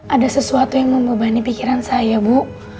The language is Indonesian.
ada sesuatu yang membebani pikiran saya bu